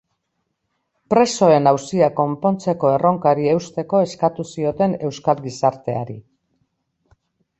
Presoen auzia konpontzeko erronkari eusteko eskatu zioten euskal gizarteari.